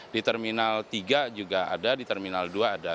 di terminal tiga juga ada di terminal dua ada